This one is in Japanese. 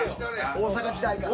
大阪時代から。